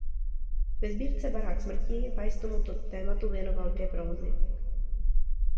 Ve sbírce "Barák smrti" Weiss tomuto tématu věnoval dvě prózy.